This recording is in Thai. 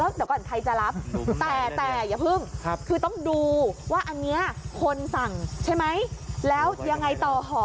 ไม่รับแล้วเดี๋ยวก่อนใครจะรับแต่แต่อย่าพึ่งครับคือต้องดูว่าอันเนี้ยคนสั่งใช่ไหมแล้วยังไงต่อค่ะ